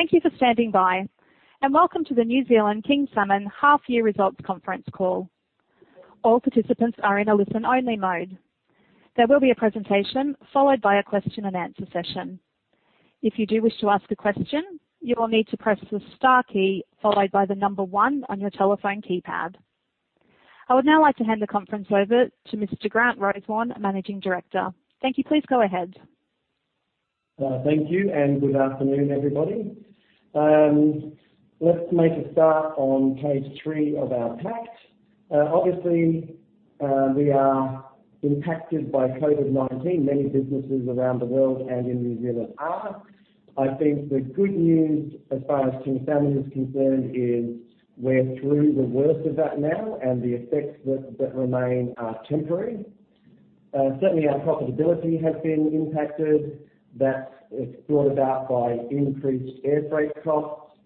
Thank you for standing by. Welcome to the New Zealand King Salmon half-year results conference call. All participants are in a listen-only mode. There will be a presentation followed by a question-and-answer session. If you do wish to ask a question, you will need to press the star key followed by the number one on your telephone keypad. I would now like to hand the conference over to Mr. Grant Rosewarne, Managing Director. Thank you. Please go ahead. Thank you, and good afternoon, everybody. Let's make a start on page three of our deck. Obviously, we are impacted by COVID-19. Many businesses around the world and in New Zealand are. I think the good news, as far as King Salmon is concerned, is we're through the worst of that now, and the effects that remain are temporary. Certainly, our profitability has been impacted. That is brought about by increased air freight costs.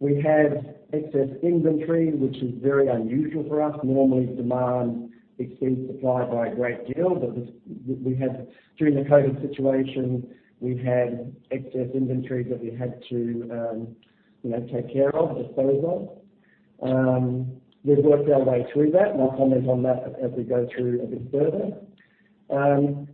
We have excess inventory, which is very unusual for us. Normally, demand exceeds supply by a great deal, but during the COVID situation, we've had excess inventory that we had to take care of, dispose of. We've worked our way through that, and I'll comment on that as we go through a bit further.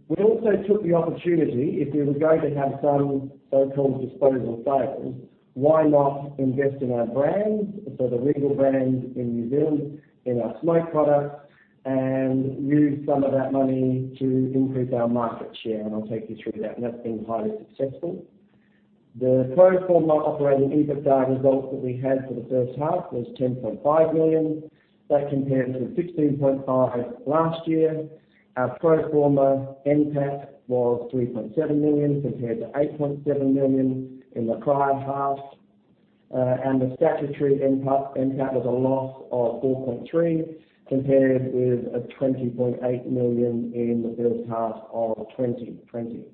We also took the opportunity, if we were going to have some so-called disposal sales, why not invest in our brand? The Regal brand in New Zealand, in our smoked products, and we use some of that money to increase our market share, and I'll take you through that, and that's been highly successful. The pro forma operating EBITDA results that we had for the first half was 10.5 million. That compares with 16.5 million last year. Our pro forma NPAT was 3.7 million compared to 8.7 million in the prior half. The statutory NPAT was a loss of 4.3 million, compared with 20.8 million in the first half of 2020.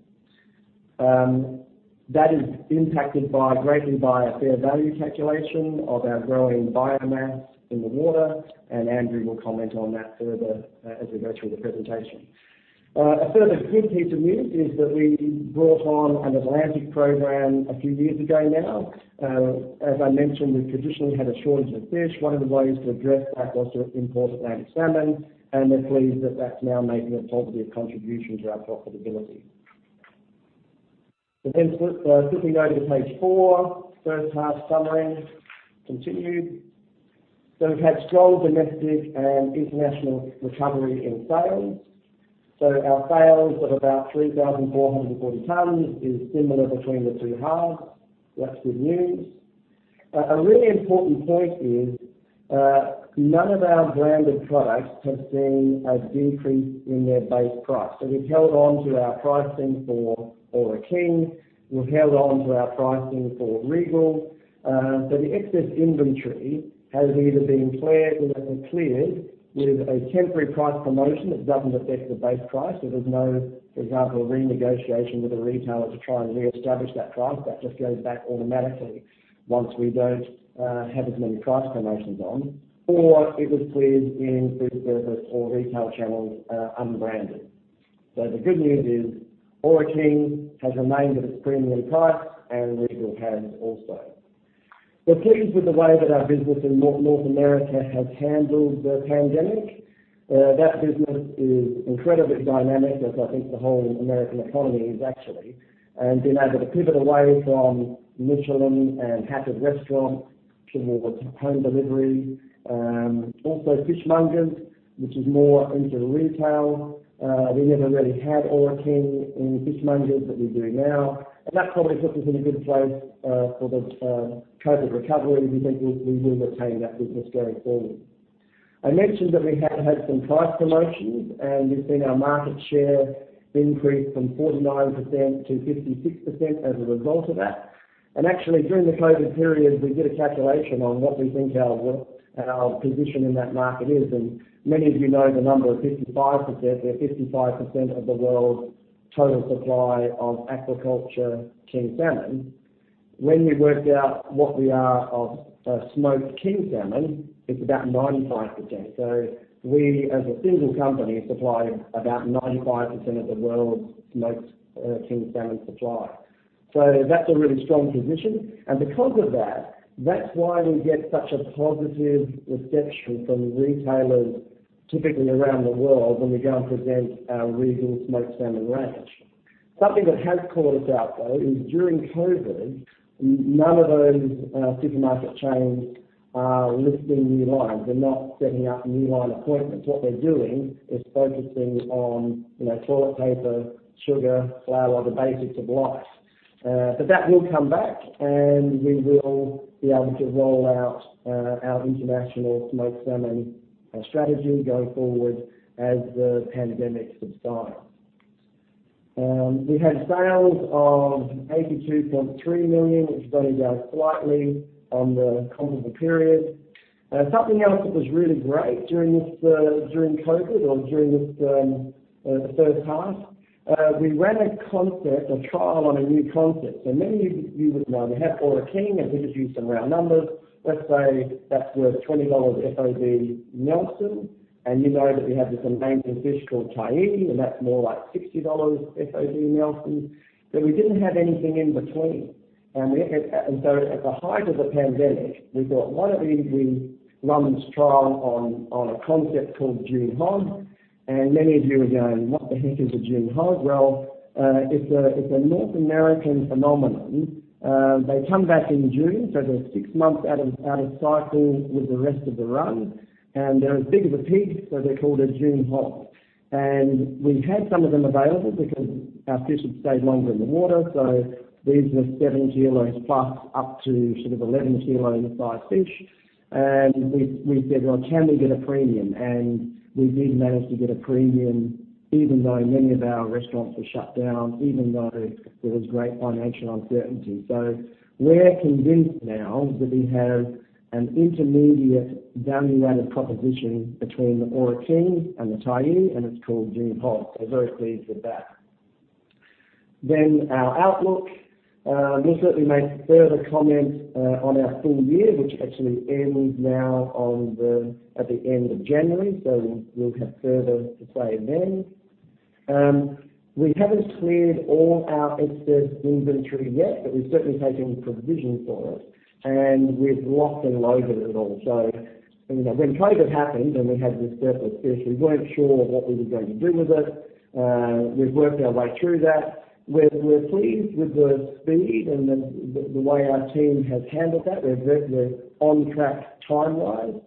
That is impacted greatly by a fair value calculation of our growing biomass in the water, and Andrew will comment on that further, as we go through the presentation. A further good piece of news is that we brought on an Atlantic program a few years ago now. As I mentioned, we've traditionally had a shortage of fish. One of the ways to address that was to import Atlantic salmon, and we're pleased that that's now making a positive contribution to our profitability. Quickly go to page four, first half summary continued. We've had a strong domestic and international recovery in sales. Our sales of about 3,440 tons is similar between the two halves. That's good news. A really important point is, none of our branded products have seen a decrease in their base price. We've held onto our pricing for Ōra King. We've held onto our pricing for Regal. The excess inventory has either been cleared with a temporary price promotion that doesn't affect the base price. There's no, for example, renegotiation with a retailer to try and reestablish that price. That just goes back automatically once we don't have as many price promotions on, or it was cleared in food service or retail channels, unbranded. The good news is Ōra King has remained at its premium price, and Regal has also. We're pleased with the way that our business in North America has handled the pandemic. That business is incredibly dynamic, as I think the whole American economy is actually, and been able to pivot away from Michelin and catered restaurants towards home delivery. Also, fishmongers, which is more into retail. We never really had Ōra King in fishmongers, but we do now. That probably puts us in a good place for the COVID recovery. We think we will retain that business going forward. I mentioned that we have had some price promotions, and we've seen our market share increase from 49%-56% as a result of that. Actually, during the COVID period, we did a calculation on what we think our position in that market is, and many of you know the number of 55%, we're 55% of the world's total supply of aquaculture King Salmon. When we worked out what we are of smoked King salmon, it's about 95%. We, as a single company, supply about 95% of the world's smoked King salmon supply. That's a really strong position. Because of that's why we get such a positive reception from retailers, typically around the world, when we go and present our Regal Smoked salmon range. Something that has caught us out, though, is during COVID, none of those supermarket chains are listing new lines. They're not setting up new line appointments. What they're doing is focusing on toilet paper, sugar, flour, the basics of life. That will come back, and we will be able to roll out our international smoked salmon strategy going forward as the pandemic subsides. We had sales of 82.3 million, which is down slightly on the comparable period. Something else that was really great during COVID or during this first half, we ran a trial on a new concept. Many of you would know we have Ōra King, and we could use some round numbers. Let's say that's worth 20 dollars FOB Nelson, and you know that we have this amazing fish called Tyee, and that's more like 60 dollars FOB Nelson. We didn't have anything in between. At the height of the pandemic, we thought, why don't we run this trial on a concept called June Hog? Many of you are going, "What the heck is a June Hog?" Well, it's a North American phenomenon. They come back in June, so they're six months out of cycle with the rest of the run, and they're as big as a pig, so they're called a June Hog. We had some of them available because our fish had stayed longer in the water. These were seven kilos plus, up to sort of 11 k size fish. We said, "Well, can we get a premium?" We did manage to get a premium, even though many of our restaurants were shut down, even though there was great financial uncertainty. We're convinced now that we have an intermediate value-added proposition between the Ōra King and the Tyee, and it's called June Hog. We're very pleased with that. Our outlook. We'll certainly make further comments on our full year, which actually ends now at the end of January. We'll have further to say then. We haven't cleared all our excess inventory yet, but we've certainly taken provision for it, and we've lost and learned it all. When COVID happened, and we had this surplus fish, we weren't sure what we were going to do with it. We've worked our way through that. We're pleased with the speed and the way our team has handled that. We're on track with the timeline,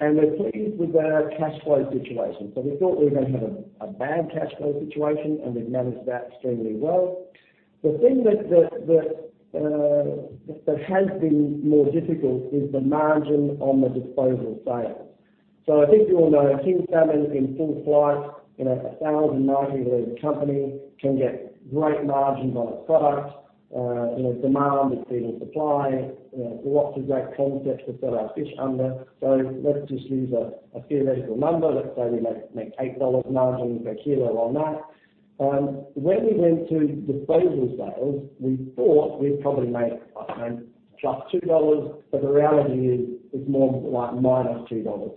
and we're pleased with our cash flow situation. We thought we were going to have a bad cash flow situation, and we've managed that extremely well. The thing that has been more difficult is the margin on the disposal sales. I think you all know King salmon, in full flight, a 1,000 marketing lead company can get great margins on its product. Demand exceeding supply, lots of great concepts to sell our fish under. Let's just use a theoretical number. Let's say we make 8 dollars margin per kilo on that. When we went to disposal sales, we thought we'd probably make plus 2 dollars, but the reality is, it's more like -2 dollars.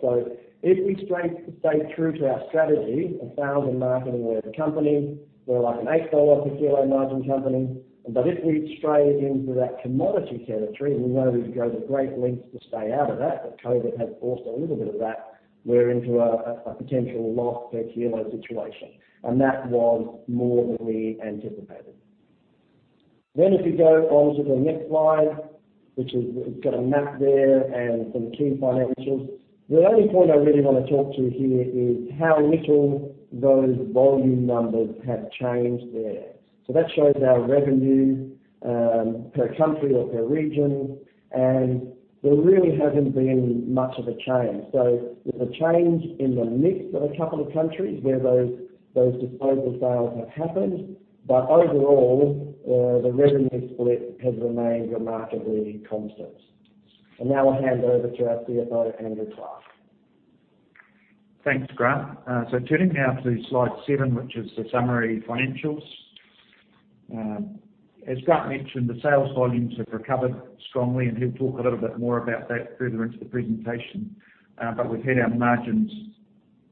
If we stay true to our strategy, a 1,000 marketing lead company, we're like an 8 dollar per kilo margin company. If we stray into that commodity territory, we know we go to great lengths to stay out of that, but COVID has forced a little bit of that. We're into a potential loss per kilo situation, and that was more than we anticipated. If you go onto the next slide, which has got a map there and some key financials. The only point I really want to talk to here is how little those volume numbers have changed there. That shows our revenue per country or per region, and there really hasn't been much of a change. Overall, the revenue split has remained remarkably constant. Now I'll hand over to our CFO, Andrew Clark. Thanks, Grant. Turning now to slide seven, which is the summary financials. As Grant mentioned, the sales volumes have recovered strongly. He'll talk a little bit more about that further into the presentation. We've had our margins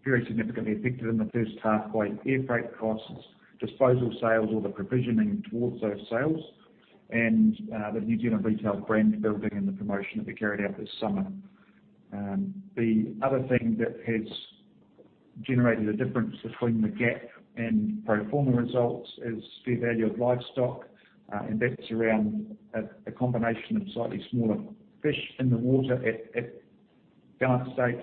very significantly affected in the first half by air freight costs, disposal sales, or the provisioning towards those sales, and the New Zealand retails brand building and the promotion that we carried out this summer. The other thing that has generated a difference between the GAAP and pro forma results is fair value of livestock. That's around a combination of slightly smaller fish in the water at balance date,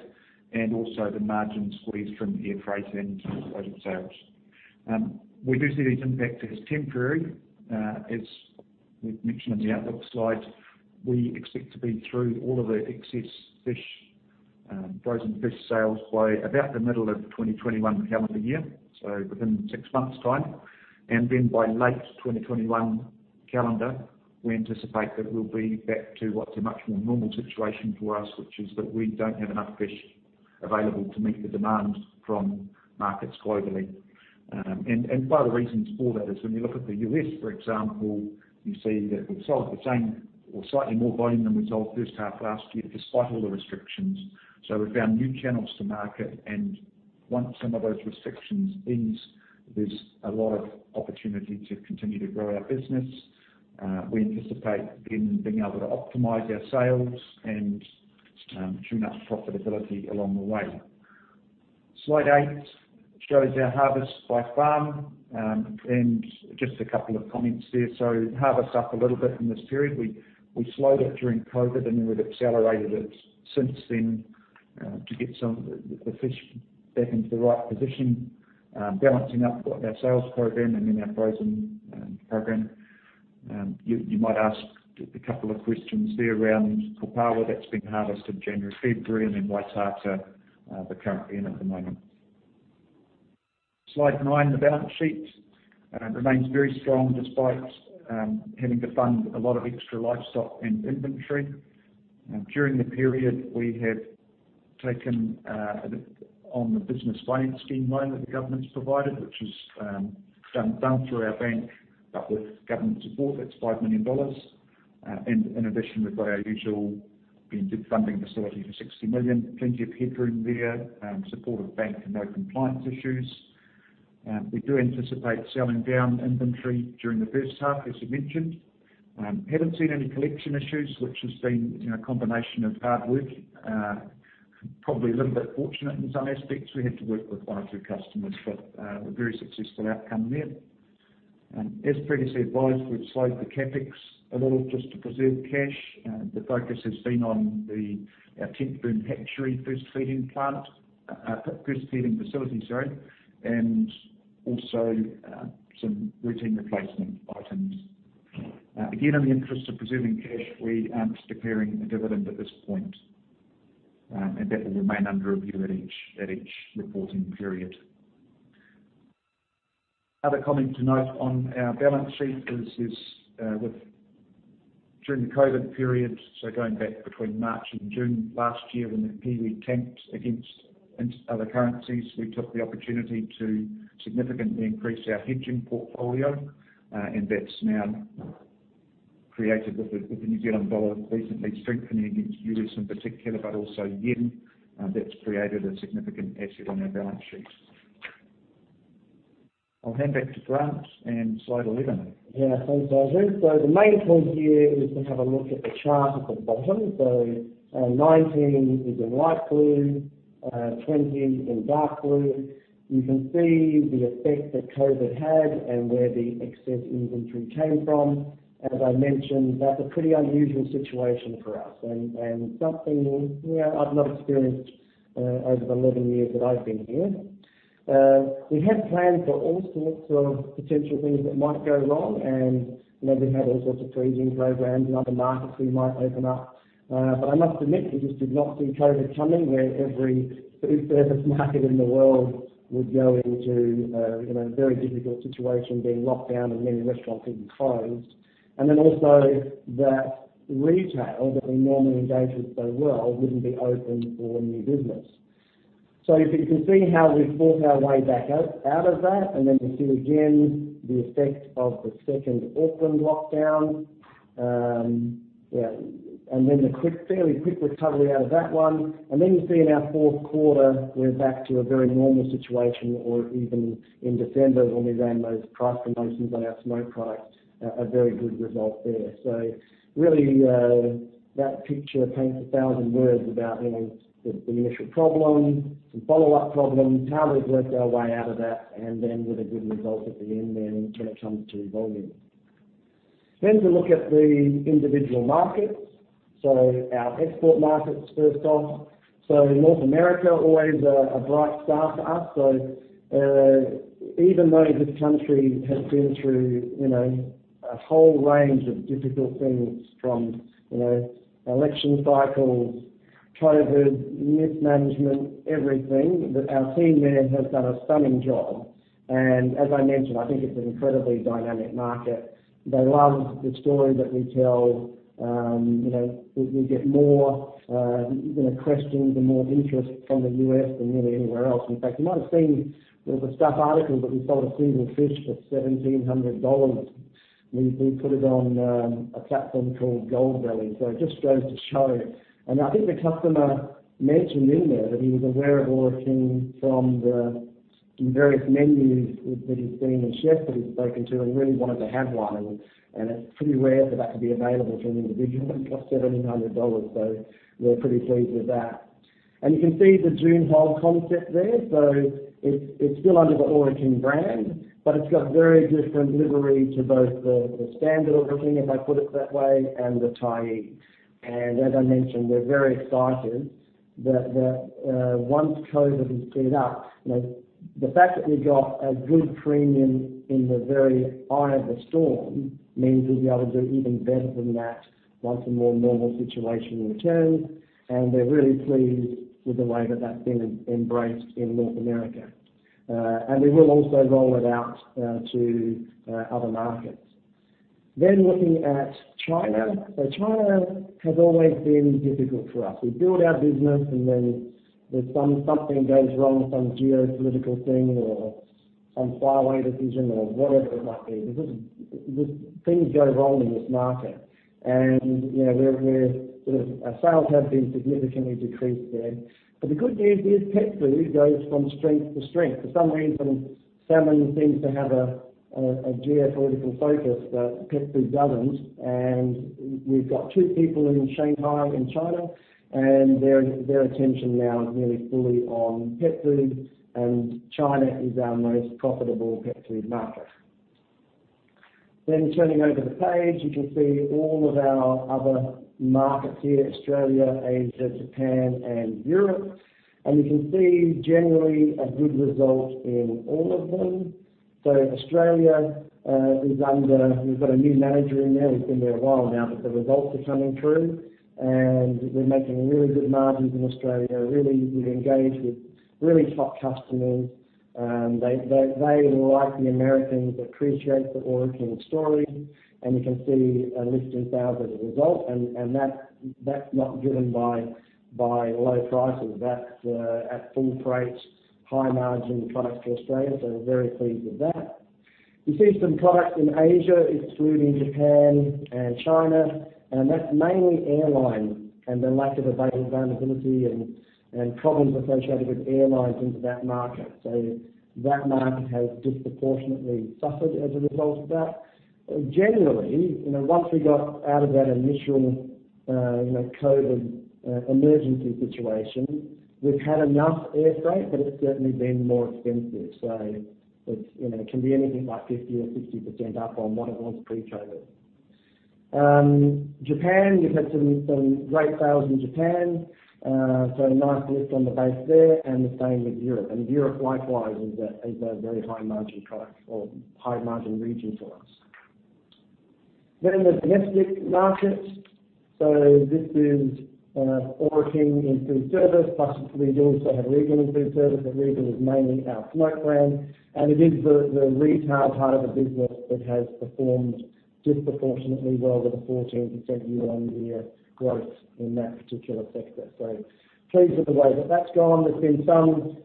and also the margin squeeze from air freight and disposal sales. We do see these impacts as temporary. As we've mentioned in the outlook slide, we expect to be through all of the excess fish, frozen fish sales by about the middle of 2021 calendar year, so within six months' time. Then by late 2021 calendar, we anticipate that we'll be back to what's a much more normal situation for us, which is that we don't have enough fish available to meet the demand from markets globally. Part of the reasons for that is when you look at the U.S., for example, you see that we've sold the same or slightly more volume than we sold first half last year, despite all the restrictions. We've found new channels to market, and once some of those restrictions ease, there's a lot of opportunity to continue to grow our business. We anticipate then being able to optimize our sales and tune up profitability along the way. Slide eight shows our harvest by farm, just a couple of comments there. Harvest up a little bit in this period. We slowed it during COVID, and then we've accelerated it since then, to get some of the fish back into the right position, balancing up our sales program and then our frozen program. You might ask a couple of questions there around Kopāua, that's been harvested January, February, and then Waitata, the current in at the moment. Slide nine, the balance sheet remains very strong despite having to fund a lot of extra livestock and inventory. During the period, we have taken on the Business Finance Guarantee Scheme loan that the government's provided, which is done through our bank, but with government support. That's 5 million dollars. In addition, we've got our usual banking funding facility for 60 million. Plenty of headroom there. Supportive bank and no compliance issues. We do anticipate selling down inventory during the first half, as you mentioned. Haven't seen any collection issues, which has been a combination of hard work, probably a little bit fortunate in some aspects. We had to work with one or two customers, but a very successful outcome there. As previously advised, we've slowed the CapEx a little just to preserve cash. The focus has been on our Tentburn hatchery first feeding facility, and also some routine replacement items. Again, in the interest of preserving cash, we aren't declaring a dividend at this point. That will remain under review at each reporting period. Other comment to note on our balance sheet is during the COVID period, so going back between March and June last year when the kiwi tanked against other currencies, we took the opportunity to significantly increase our hedging portfolio. That's now created, with the New Zealand dollar recently strengthening against U.S. in particular, but also yen, that's created a significant asset on our balance sheet. I'll hand back to Grant. Slide 11. Yeah. Thanks, Andrew. The main point here is to have a look at the chart at the bottom. 2019 is in light blue, 2020 in dark blue. You can see the effect that COVID had and where the excess inventory came from. As I mentioned, that's a pretty unusual situation for us and something I've not experienced over the 11 years that I've been here. We had planned for all sorts of potential things that might go wrong, and we had all sorts of freezing programs and other markets we might open up. I must admit, we just did not see COVID coming, where every food service market in the world would go into a very difficult situation, being locked down and many restaurants even closed. Also that retail, that we normally engage with so well, wouldn't be open for new business. You can see how we fought our way back out of that. You see again the effect of the second Auckland lockdown. The fairly quick recovery out of that one. You see in our fourth quarter, we're back to a very normal situation, or even in December when we ran those price promotions on our smoked products, a very good result there. Really, that picture paints 1,000 words about the initial problem, some follow-up problems, how we've worked our way out of that, and then with a good result at the end then when it comes to volume. To look at the individual markets. Our export markets, first off. North America, always a bright star for us. Even though this country has been through a whole range of difficult things from election cycles, COVID, mismanagement, everything, our team there has done a stunning job. As I mentioned, I think it's an incredibly dynamic market. They love the story that we tell. We get more questions and more interest from the U.S. than nearly anywhere else. In fact, you might have seen there was a Stuff article that we sold a single fish for $1,700. We put it on a platform called Goldbelly. It just goes to show, and I think the customer mentioned in there that he was aware of Ōra King from the various menus that he'd seen and chefs that he'd spoken to, and really wanted to have one. It's pretty rare for that to be available to an individual who's got $1,700. We're pretty pleased with that. You can see the June Hog concept there. It's still under the Ōra King brand, but it's got very different livery to both the standard Ōra King, if I put it that way, and the Tyee. As I mentioned, we're very excited that once COVID has cleared up, the fact that we got a good premium in the very eye of the storm means we'll be able to do even better than that once a more normal situation returns, and we're really pleased with the way that that's been embraced in North America. We will also roll that to other market. Looking at China. China has always been difficult for us. We build our business and then something goes wrong, some geopolitical thing or some faraway decision or whatever it might be. Things go wrong in this market. Our sales have been significantly decreased there. The good news is pet food goes from strength to strength. For some reason, salmon seems to have a geopolitical focus that pet food doesn't. We've got two people in Shanghai in China, and their attention now is nearly fully on pet food, and China is our most profitable pet food market. Turning over the page, you can see all of our other markets here, Australia, Asia, Japan, and Europe. You can see generally a good result in all of them. Australia, we've got a new manager in there. He's been there a while now, but the results are coming through, and we're making really good margins in Australia. Really, we engage with really top customers. They, like the Americans, appreciate the Ōra King story. You can see a lift in sales as a result, and that's not driven by low prices. That's at full price, high-margin products for Australia, we're very pleased with that. You see some products in Asia, excluding Japan and China, that's mainly airline and the lack of availability and problems associated with airlines into that market. That market has disproportionately suffered as a result of that. Generally, once we got out of that initial COVID emergency situation, we've had enough air freight, it's certainly been more expensive. It can be anything like 50%-60% up on what it was pre-COVID. Japan, we've had some great sales in Japan, so nice lift on the base there, and the same with Europe. Europe likewise is a very high-margin product or high-margin region for us. The domestic market. This is Ōra King in food service, plus Regal. We have Regal in food service, but Regal is mainly our smoke brand, and it is the retail part of the business that has performed disproportionately well with a 14% year-on-year growth in that particular sector. Pleased with the way that's gone. There's been some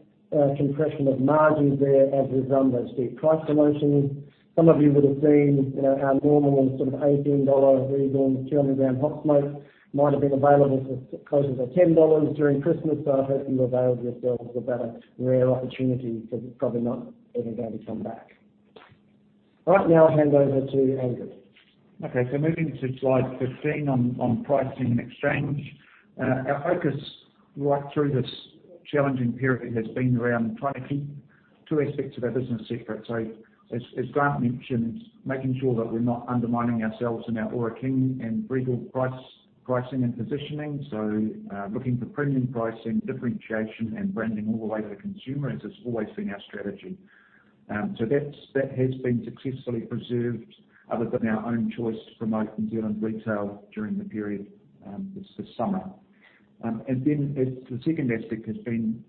compression of margins there as a result of steep price promotions. Some of you would have seen our normal sort of 18 dollar Regal, 200 g hot smoke might have been available for as low as 10 dollars during Christmas. I hope you availed yourselves of that rare opportunity, because it's probably not ever going to come back. All right, now I'll hand over to Andrew. Okay, moving to slide 15 on pricing and exchange. Our focus right through this challenging period has been around pricing. Two aspects of our business sector. As Grant mentioned, making sure that we're not undermining ourselves in our Ōra King and Regal pricing and positioning. Looking for premium pricing, differentiation, and branding all the way to consumer, as has always been our strategy. That has been successfully preserved, other than our own choice to promote New Zealand retail during the period this summer. The second aspect has been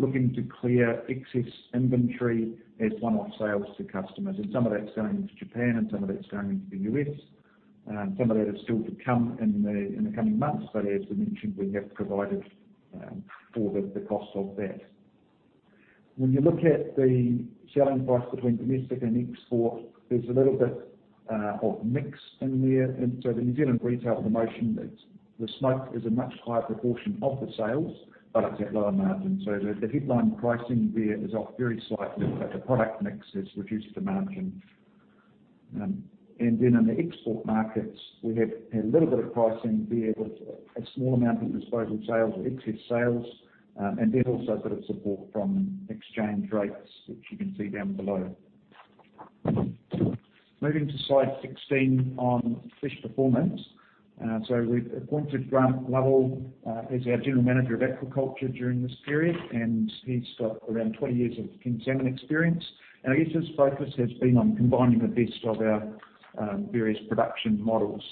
looking to clear excess inventory as one-off sales to customers. Some of that's going into Japan, and some of that's going into the U.S. Some of that is still to come in the coming months. As we mentioned, we have provided for the cost of that. When you look at the selling price between domestic and export, there's a little bit of mix in there. The New Zealand retail promotion, the smoke is a much higher proportion of the sales, but it's at lower margin. The headline pricing there is off very slightly, but the product mix has reduced the margin. In the export markets, we have a little bit of pricing there with a small amount of disposal sales or excess sales, and also a bit of support from exchange rates, which you can see down below. Moving to slide 16 on fish performance. We've appointed Grant Lovell as our General Manager of Aquaculture during this period, and he's got around 20 years of King salmon experience. I guess his focus has been on combining the best of our various production models.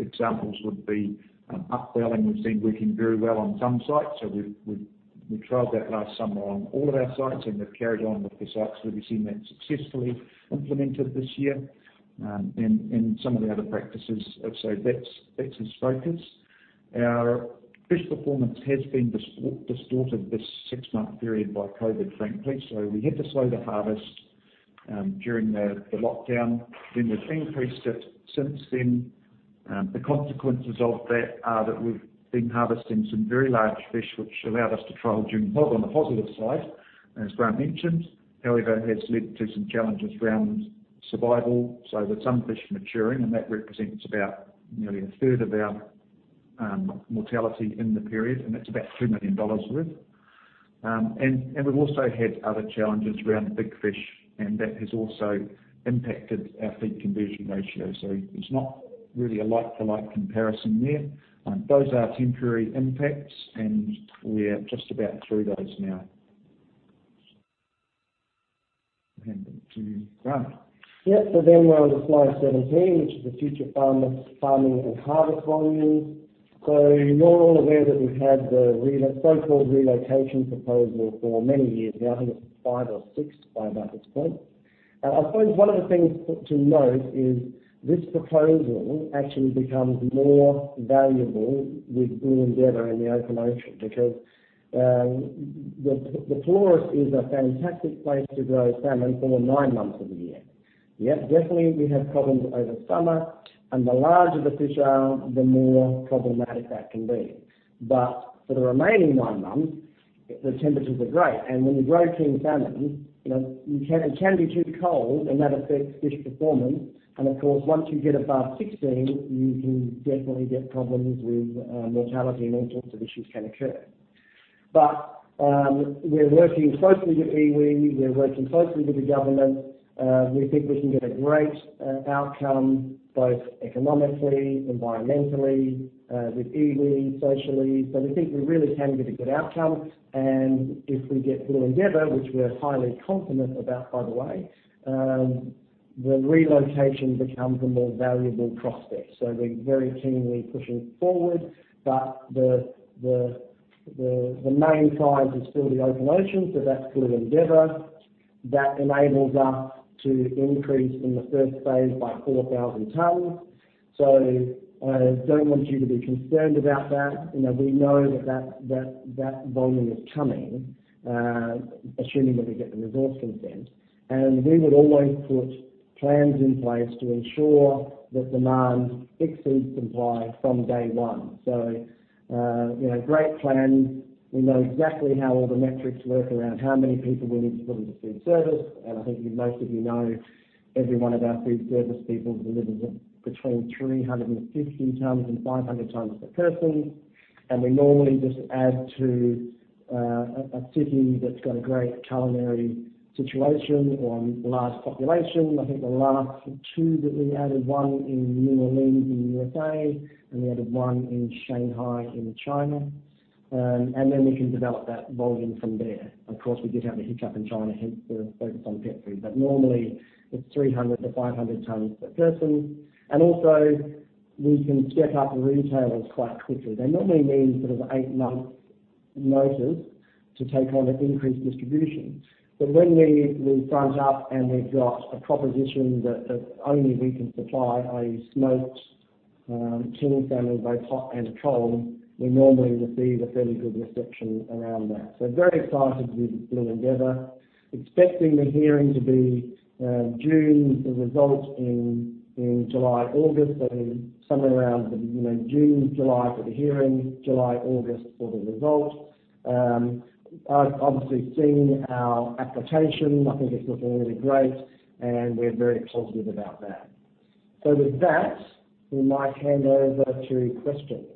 Examples would be upwelling, we've seen working very well on some sites. We've trialed that last summer on all of our sites, and we've carried on with the sites where we've seen that successfully implemented this year, and some of the other practices. That's his focus. Our fish performance has been distorted this six-month period by COVID, frankly. We had to slow the harvest during the lockdown, then we've increased it since then. The consequences of that are that we've been harvesting some very large fish, which allowed us to trial June Hog on the positive side, as Grant mentioned, however, has led to some challenges around survival. There's some fish maturing, and that represents about nearly a third of our mortality in the period, and that's about 2 million dollars worth. We've also had other challenges around big fish, and that has also impacted our feed conversion ratio. There's not really a like-to-like comparison there. Those are temporary impacts, and we're just about through those now. Hand over to Grant. We're on to slide 17, which is the future farming and harvest volume. You're all aware that we've had the so-called relocation proposal for many years now, I think it's five or six by this point. I suppose one of the things to note is this proposal actually becomes more valuable with Blue Endeavour in the open ocean, because the Pelorus is a fantastic place to grow salmon for nine months of the year. Yep, definitely we have problems over summer, and the larger the fish are, the more problematic that can be. For the remaining nine months, the temperatures are great. When you grow King Salmon, it can be too cold, and that affects fish performance. Of course, once you get above 16, you can definitely get problems with mortality, and all sorts of issues can occur. We're working closely with iwi, we're working closely with the government. We think we can get a great outcome, both economically, environmentally, with iwi, socially. We think we really can get a good outcome. If we get Blue Endeavour, which we're highly confident about, by the way, the relocation becomes a more valuable prospect. We're very keenly pushing forward. The main prize is still the open ocean. That's Blue Endeavour. That enables us to increase in the first phase by 4,000 tonnes. I don't want you to be concerned about that. We know that that volume is coming. Assuming that we get the resource consent, and we would always put plans in place to ensure that demand exceeds supply from day one. Great plan. We know exactly how all the metrics work around how many people we need to put into food service. I think most of you know, every one of our food service people delivers between 350 tons and 500 tons per person. We normally just add to a city that's got a great culinary situation or large population. I think the last two that we added, one in New Orleans in USA, and we added one in Shanghai in China. Then we can develop that volume from there. Of course, we did have a hiccup in China, hence the focus on pet food. Normally, it's 300-500 tons per person. Also, we can step up retailers quite quickly. They normally need sort of eight months notice to take on an increased distribution. When we've turned up, and we've got a proposition that only we can supply a smoked King salmon, both hot and cold, we normally receive a fairly good reception around that. Very excited with the new Blue Endeavour. Expecting the hearing to be June, the result in July, August. Somewhere around June, July for the hearing, July, August for the result. I've obviously seen our application. I think it looks really great, and we're very positive about that. With that, we might hand over to questions.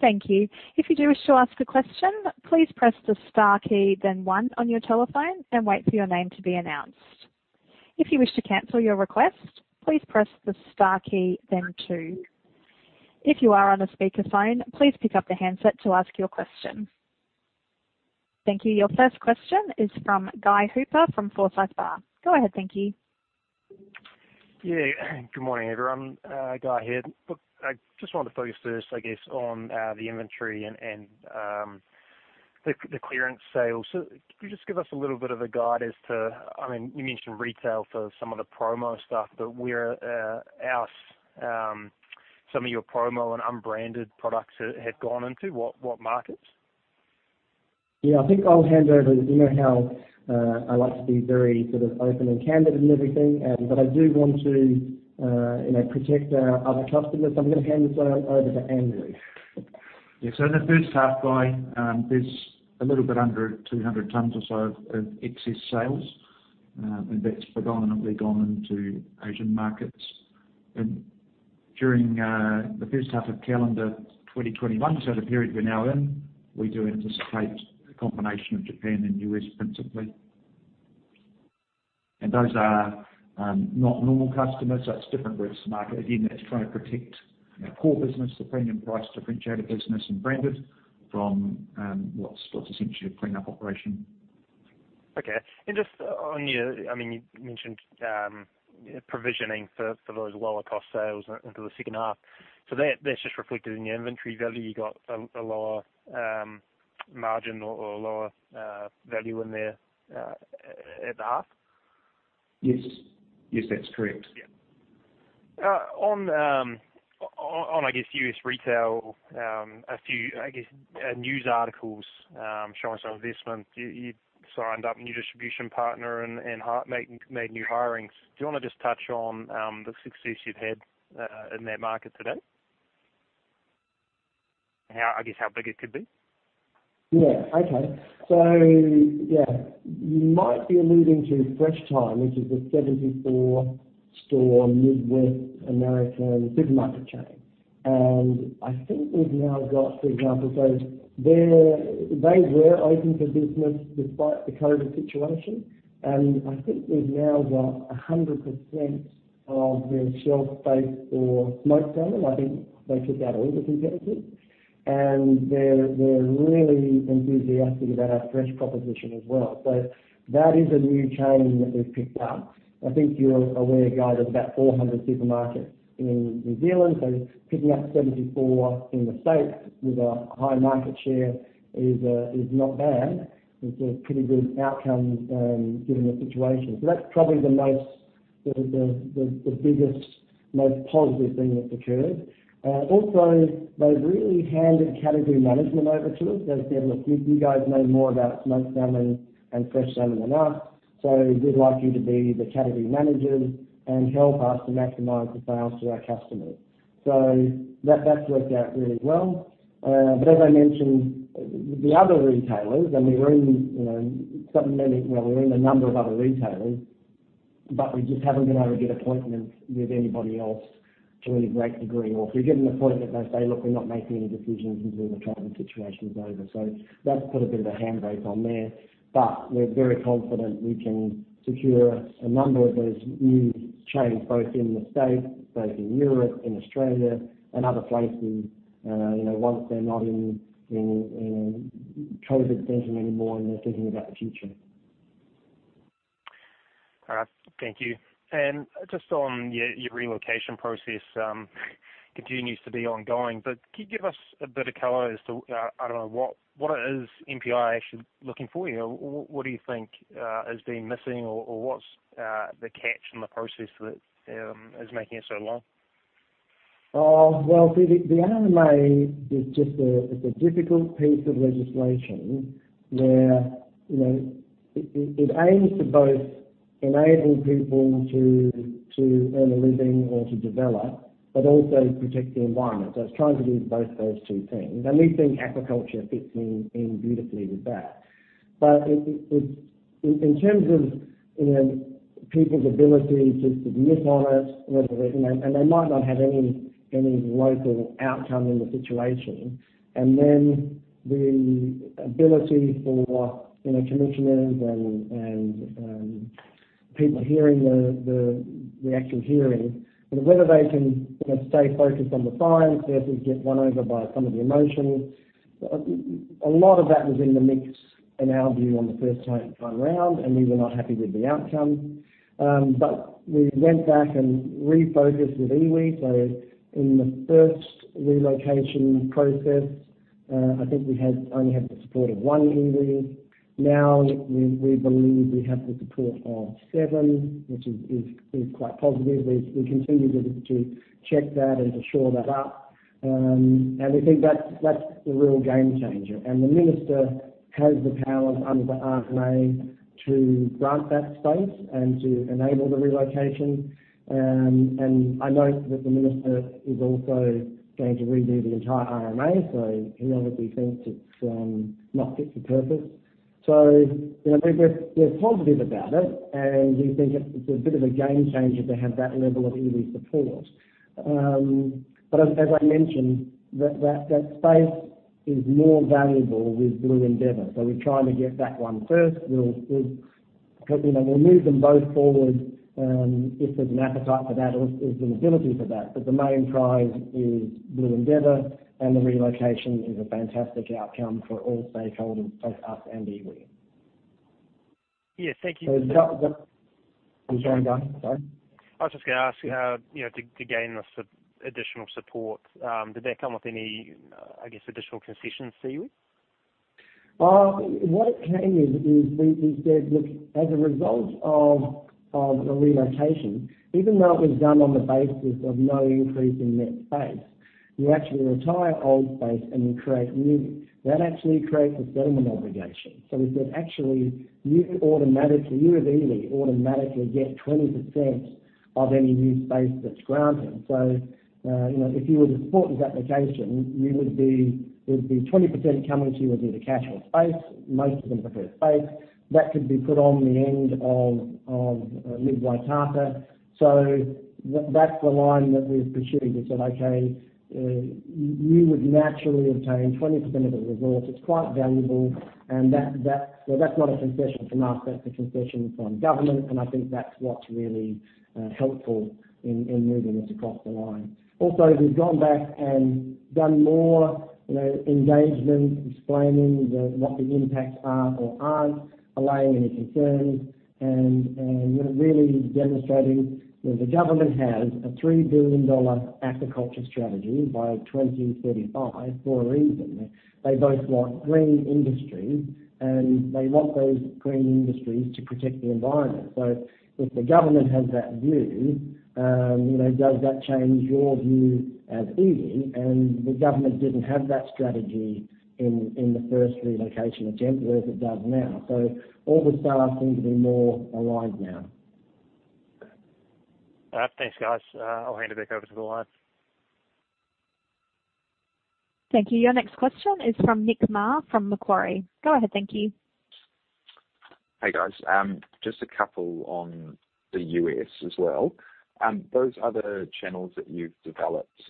Thank you. If you wish to ask a question, please press the star key then one on your telephone when you are ready to be announced. If you wish to cancel your request, please press the star key then two. If you are on a speakerphone, please pick up the handset to ask your question. Thank you. Your first question is from Guy Hooper from Forsyth Barr. Go ahead, thank you. Yeah. Good morning, everyone. Guy here. Look, I just wanted to focus first, I guess, on the inventory and the clearance sale. Can you just give us a little bit of a guide as to, you mentioned retail for some of the promo stuff, where else some of your promo and unbranded products have gone into? What markets? Yeah, I think I'll hand over. You know how I like to be very sort of open and candid and everything, but I do want to protect our other customers, so I'm going to hand this over to Andrew. In the first half, Guy, there's a little bit under 200 tons or so of excess sales, and that's predominantly gone into Asian markets. During the first half of calendar 2021, so the period we're now in, we do anticipate a combination of Japan and U.S. principally. Those are not normal customers, so it's different risk market. Again, that's trying to protect core business, the premium price differentiator business and branded, from what's essentially a cleanup operation. Okay. Just on your, you mentioned provisioning for those lower cost sales into the second half. That's just reflected in your inventory value? You got a lower margin or a lower value in there at the half? Yes. Yes, that's correct. Yeah. On, I guess, U.S. retail, a few news articles showing some of this month, you signed up a new distribution partner and made new hirings. Do you want to just touch on the success you've had in that market to date? I guess how big it could be? Yeah. Okay. Yeah, you might be alluding to Fresh Thyme, which is a 74-store Midwest American supermarket chain. I think we've now got, for example, they were open for business despite the COVID situation, and I think we've now got 100% of their shelf space for smoked salmon. I think they took out all the competitors. They're really enthusiastic about our fresh proposition as well. That is a new chain that we've picked up. I think you're aware, Guy, there's about 400 supermarkets in New Zealand, picking up 74 in the U.S. with a high market share is not bad. It's a pretty good outcome given the situation. That's probably the most, the biggest, most positive thing that's occurred. Also, they've really handed category management over to us. They've said, "Look, you guys know more about smoked salmon and fresh salmon than us, so we'd like you to be the category managers and help us to maximize the sales to our customers." That's worked out really well. As I mentioned, the other retailers, and we're in a number of other retailers, but we just haven't been able to get appointments with anybody else to any great degree. If we get an appointment, they say, "Look, we're not making any decisions until the travel situation is over." That's put a bit of a handbrake on there. We're very confident we can secure a number of those new chains, both in the U.S., both in Europe, in Australia, and other places, once they're not in COVID syndrome anymore and they're thinking about the future. All right. Thank you. Just on your relocation process, it continues to be ongoing, but can you give us a bit of color as to, I don't know, what it is MPI actually looking for? What do you think has been missing, or what's the catch in the process that is making it so long? Well, see, the RMA is just a difficult piece of legislation where it aims to both enable people to earn a living or to develop, but also protect the environment. It's trying to do both those two things, and we think aquaculture fits in beautifully with that. In terms of people's ability to submit on it, and they might not have any local outcome in the situation. Then the ability for commissioners and people hearing the actual hearing, whether they can stay focused on the science versus get won over by some of the emotion. A lot of that was in the mix, in our view, on the first time around, and we were not happy with the outcome. We went back and refocused with iwi. In the first relocation process, I think we only had the support of one iwi. Now, we believe we have the support of seven, which is quite positive. We continue to check that and to shore that up. We think that's the real game changer. The minister has the powers under the RMA to grant that space and to enable the relocation. I note that the minister is also going to redo the entire RMA, so he obviously thinks it's not fit for purpose. We're positive about it, and we think it's a bit of a gamechanger to have that level of iwi support. As I mentioned, that space is more valuable with Blue Endeavour. We're trying to get that one first. We'll move them both forward, if there's an appetite for that or if there's an ability for that. The main prize is Blue Endeavour, and the relocation is a fantastic outcome for all stakeholders, both us and iwi. Yes. Thank you. I'm sorry, go on. Sorry. I was just going to ask, to gain the additional support, did that come with any, I guess, additional concessions for you? What it came is, we said, "Look, as a result of the relocation, even though it was done on the basis of no increase in net space, you actually retire old space and you create new. That actually creates a settlement obligation." We said, "Actually, you automatically, you as iwi, automatically get 20% of any new space that's granted." If you were to support this application, there'd be 20% coming to you as either cash or space. Most of them preferred space. That could be put on the end of Mid Waitata. That's the line that we've pursued. We said, "Okay, you would naturally obtain 20% of the resource." It's quite valuable. That's not a concession from us, that's a concession from government, and I think that's what's really helpful in moving this across the line. Also, we've gone back and done more engagement, explaining what the impacts are or aren't, allaying any concerns, and really demonstrating the government has a 3 billion dollar aquaculture strategy by 2035 for a reason. They both want green industry, and they want those green industries to protect the environment. If the government has that view, does that change your view as iwi? The government didn't have that strategy in the first relocation attempt whereas it does now. All the stars seem to be more aligned now. All right. Thanks, guys. I'll hand it back over to the line. Thank you. Your next question is from Nick Mar from Macquarie. Go ahead. Thank you. Hey, gu, ys. Just a couple on the U.S. as well. Those other channels that you've developed,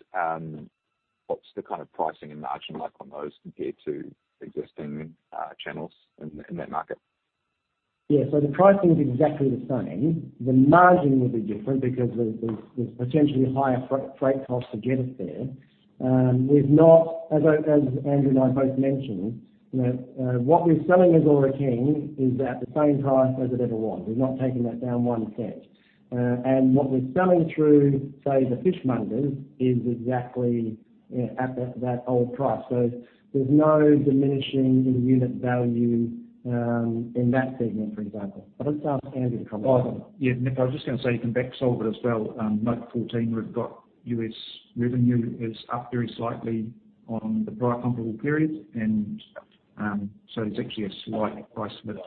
what's the kind of pricing and margin like on those compared to existing channels in that market? Yeah. The pricing is exactly the same. The margin will be different because there's potentially higher freight costs to get it there. As Andrew and I both mentioned, what we're selling as Ōra King is at the same price as it ever was. We're not taking that down 0.01. What we're selling through, say, the fishmongers is exactly at that old price. There's no diminishing in unit value in that segment, for example. Let's ask Andrew to comment. Yeah, Nick, I was just going to say, you can back solve it as well. Note 14, we've got U.S. revenue is up very slightly on the prior comparable period. There's actually a slight price mix,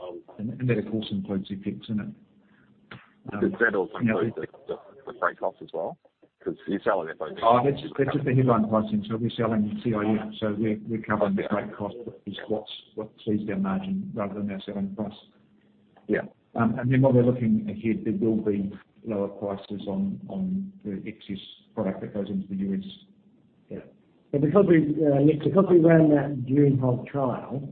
that of course includes FX effects in it. Is that also includes the freight cost as well, because you're selling FOB? That's just the headline pricing. We're selling CIF, so we're covering the freight cost, which is what sees our margin rather than our selling price. Yeah. While we're looking ahead, there will be lower prices on the excess product that goes into the U.S. Yeah. Nick, because we ran that June Hog trial,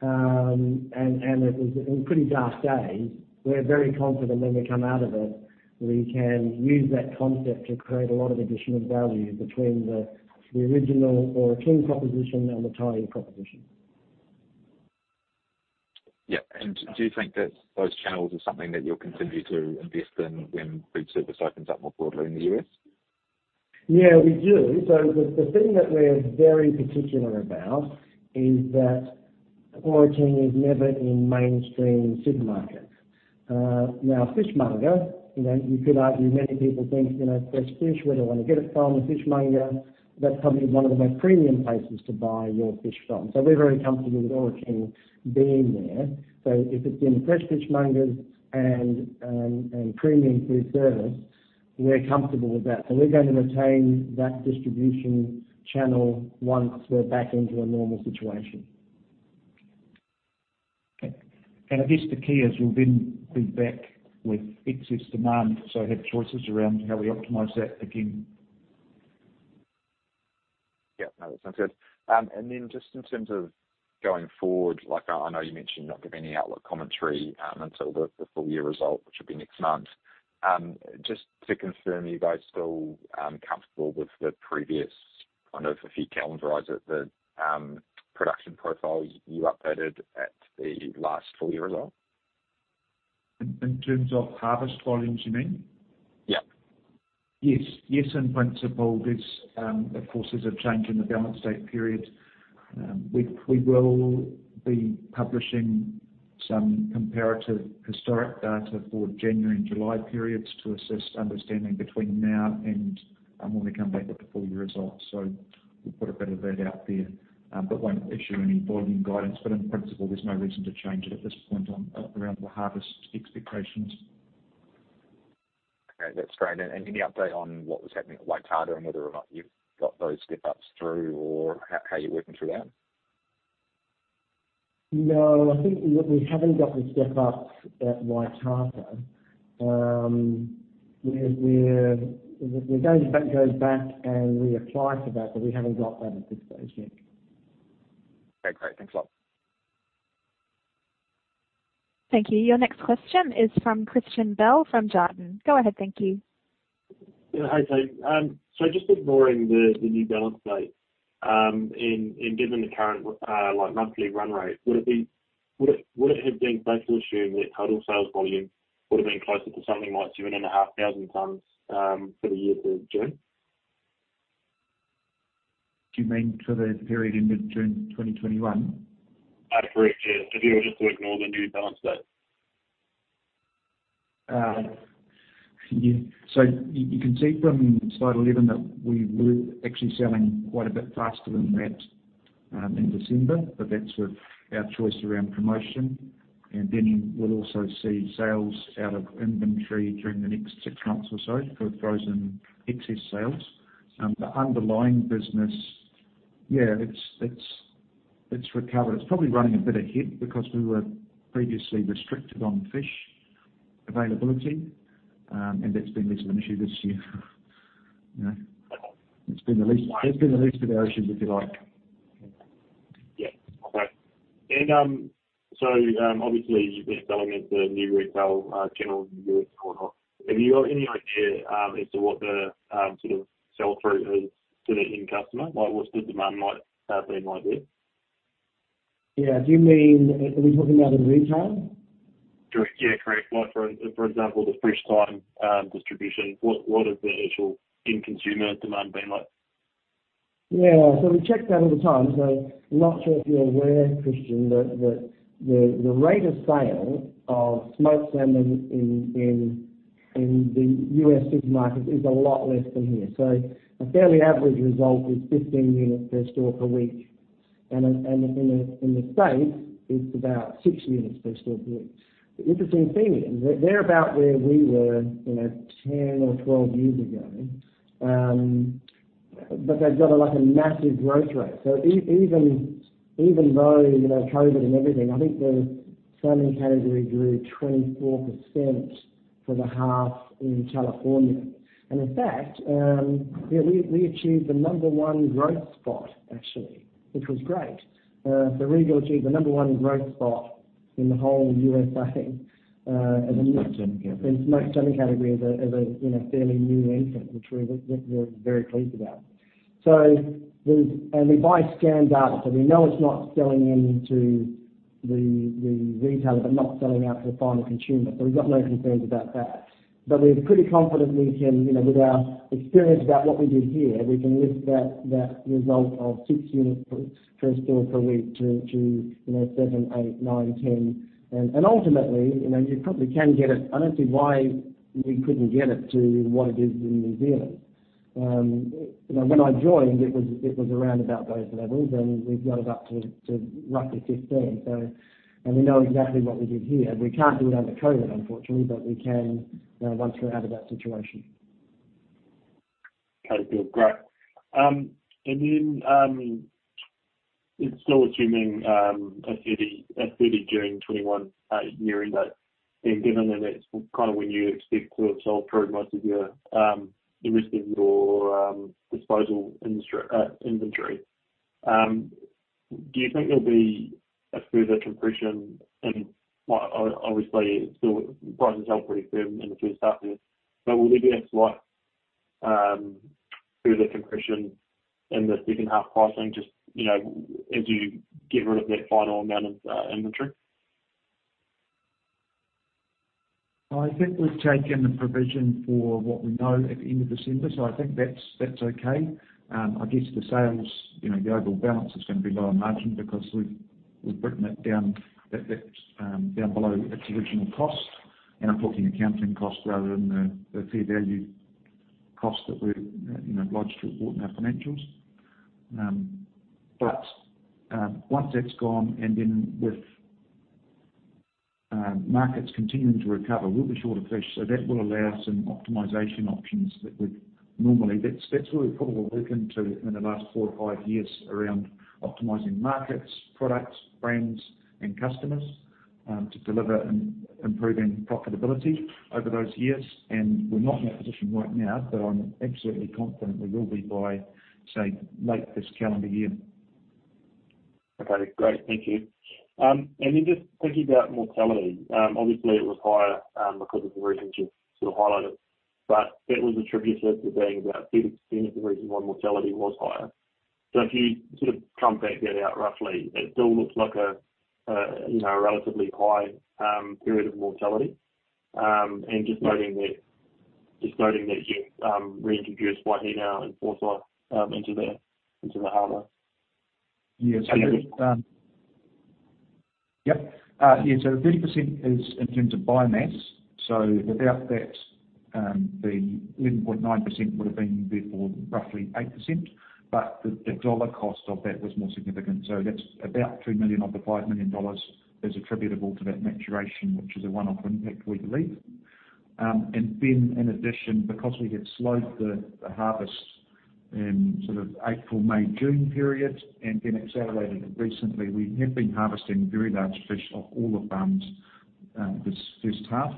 and it was in pretty dark days, we're very confident when we come out of it, we can use that concept to create a lot of additional value between the original Ōra King proposition and the Tyee proposition. Yeah. Do you think that those channels are something that you'll continue to invest in when food service opens up more broadly in the U.S.? Yeah, we do. The thing that we're very particular about is that Ōra King is never in mainstream supermarkets. Fishmonger, you could argue many people think, fresh fish, where do I want to get it from? A fishmonger, that's probably one of the most premium places to buy your fish from. We're very comfortable with Ōra King being there. If it's in fresh fishmongers and premium food service, we're comfortable with that. We're going to retain that distribution channel once we're back into a normal situation. Okay. I guess the key is we'll then be back with excess demand, so have choices around how we optimize that again. Yeah. No, that sounds good. Just in terms of going forward, I know you mentioned you're not giving any outlook commentary until the full year result, which will be next month. Just to confirm, are you guys still comfortable with the previous, I don't know if a full calendarize it, the production profile you updated at the last full year result? In terms of harvest volumes, you mean? Yeah. Yes. In principle, of course, there's a change in the balance date period. We will be publishing some comparative historic data for January and July periods to assist understanding between now and when we come back with the full year results. We'll put a bit of that out there. Won't issue any volume guidance. In principle, there's no reason to change it at this point around the harvest expectations. Okay. That's great. Any update on what was happening at Waitata and whether or not you've got those step-ups through or how you're working through that? No, I think we haven't got the step-ups at Waitata. We're going back and reapply for that, but we haven't got that at this stage yet. Okay, great. Thanks a lot. Thank you. Your next question is from Christian Bell from Jarden. Go ahead. Thank you. Yeah. Hi, guys. Just ignoring the new balance date, and given the current monthly run rate, would it have been safe to assume that total sales volume would've been closer to something like 2,500 tons for the year to June? Do you mean for the period ended June 2021? That's correct, yeah. If you were just to ignore the new balance date. You can see from slide 11 that we were actually selling quite a bit faster than that in December. That's with our choice around promotion. Then you will also see sales out of inventory during the next six months or so for frozen excess sales. The underlying business, yeah, it's recovered. It's probably running a bit ahead because we were previously restricted on fish availability, and that's been less of an issue this year. It's been the least of our issues, if you like. Yeah. Okay. Obviously, you've been selling into new retail channels in the U.S. quite a lot. Have you got any idea as to what the sort of sell-through is to the end customer? What's the demand been like there? Yeah. Do you mean, are we talking about the retail? Yeah, correct. For example, the Fresh Thyme distribution, what has the actual end consumer demand been like? Yeah. We check that all the time. I'm not sure if you're aware, Christian, that the rate of sale of smoked salmon in the US supermarkets is a lot less than here. A fairly average result is 15 units per store per week. In the States, it's about six units per store per week. The interesting thing is, they're about where we were 10 or 12 years ago. They've got a massive growth rate. Even though COVID and everything, I think the salmon category grew 24% for the half in California. In fact, yeah, we achieved the number one growth spot, actually, which was great. Regal achieved the number one growth spot in the whole of USA. In the smoked salmon category. In smoked salmon category as a fairly new entrant, which we're very pleased about. We buy scanned data, we know it's not selling into the retailer, but not selling out to the final consumer. We've got no concerns about that. We're pretty confident we can, with our experience about what we did here, we can lift that result of six units per store per week to seven, eight, nine, 10. Ultimately, you probably can get it. I don't see why we couldn't get it to what it is in New Zealand. When I joined, it was around about those levels, we've got it up to roughly 15. We know exactly what we did here. We can't do it under COVID, unfortunately, we can once we're out of that situation. Okay. Cool. Great. Still assuming June 30, 2021 year-end date, and given that that's kind of when you expect to have sold through most of the rest of your disposal inventory, do you think there'll be a further compression in, obviously prices held pretty firm in the first half year, but will there be a slight further compression in the second half pricing, just as you get rid of that final amount of inventory? I think we've taken the provision for what we know at the end of December. I think that's okay. I guess the sales, the overall balance is going to be a lower margin because we've written that down below its original cost. I'm talking about accounting cost rather than the fair value cost that we're obliged to report in our financials. Once that's gone, then with markets continuing to recover, we'll be short of fish. That will allow some optimization options. That's where we've put all the work into in the last four or five years around optimizing markets, products, brands, and customers, to deliver improving profitability over those years. We're not in that position right now. I'm absolutely confident we will be by, say, late this calendar year. Okay. Great. Thank you. Just thinking about mortality, obviously, it was higher, because of the reasons you highlighted, but that was attributed to being about 30% of the reason why mortality was higher. If you sort of rate get that out roughly, it still looks like a relatively high period of mortality and just noting that you reintroduced Waihinau now and Forsyth into the harbor. Yeah. How did it- The 30% is in terms of biomass. Without that, the 11.9% would have been therefore roughly 8%, the dollar cost of that was more significant. That's about 2 million of the 5 million dollars is attributable to that maturation, which is a one-off impact, we believe. In addition, because we had slowed the harvest in sort of April, May, June period, and then accelerated it recently, we have been harvesting very large fish off all the farms this first half.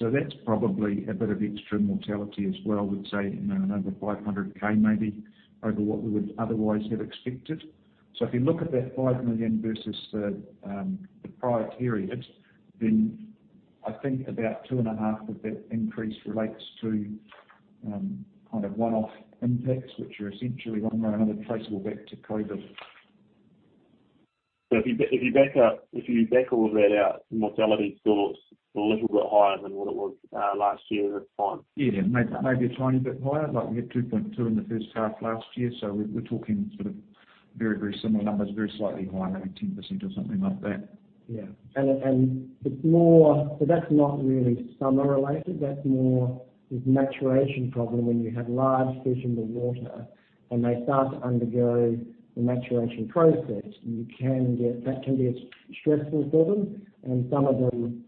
That's probably a bit of extra mortality as well. We'd say, another 500,000, maybe over what we would otherwise have expected. If you look at that 5 million versus the prior period, I think about two and a half of that increase relates to one-off impacts, which are essentially one way or another traceable back to COVID. If you back all of that out, the mortality is still a little bit higher than what it was last year at this time. Yeah. Maybe a tiny bit higher. We hit 2.2 in the first half last year, we're talking sort of very similar numbers, very slightly higher, maybe 10% or something like that. That's not really summer-related. That's more this maturation problem. When you have large fish in the water and they start to undergo the maturation process that can be stressful for them and some of them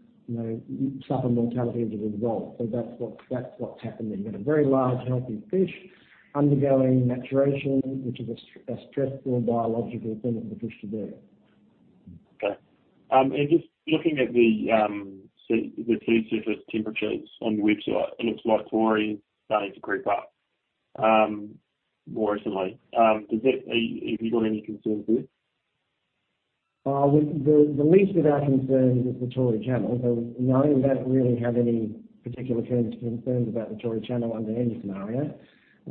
suffer mortality as a result. That's what's happened there. You've got a very large, healthy fish undergoing maturation, which is a stressful biological thing for the fish to do. Okay. Just looking at the sea surface temperatures on your website, it looks like Tory is starting to creep up more recently. Have you got any concerns there? The least of our concerns is the Tory Channel. No, we don't really have any particular terms or concerns about the Tory Channel under any scenario.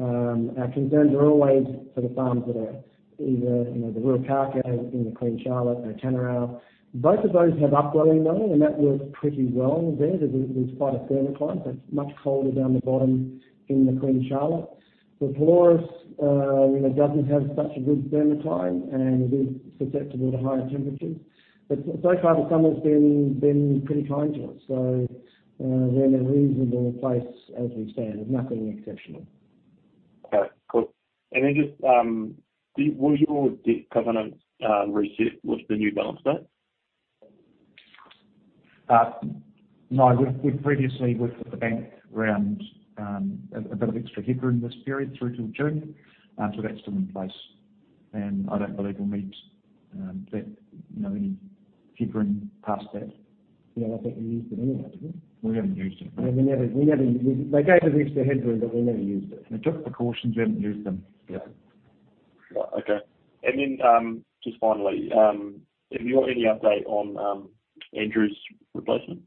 Our concerns are always for the farms that are either the Ruakākā in the Queen Charlotte or Ōtānerau. Both of those have upwelling though, and that works pretty well there. There's quite a thermocline, so it's much colder down the bottom in the Queen Charlotte. Pelorus doesn't have such a good thermocline, and it is susceptible to higher temperatures. So far, the summer's been pretty kind to us. We're in a reasonable place as we stand. There's nothing exceptional. Okay. Cool. Then just, will your debt covenant reset with the new balance date? No, we'd previously worked with the bank around a bit of extra headroom this period through till June, so that's still in place, and I don't believe we'll need any headroom past that. Yeah, I don't think we used it anyway, did we? We haven't used it. They gave us extra headroom. We never used it. We took precautions, we haven't used them. Right. Okay. Just finally, have you got any update on Andrew's replacement?